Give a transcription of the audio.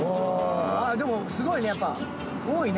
でもすごいねやっぱ多いね。